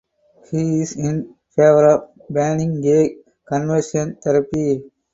He is in favour of banning gay conversion therapy.